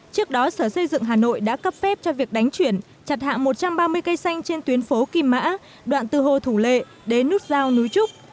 trước đó sở xây dựng hà nội đã cấp phép cho việc đánh chuyển chặt hạ một trăm ba mươi cây xanh trên tuyến phố kim mã đoạn từ hồ thủ lệ đến nút giao núi trúc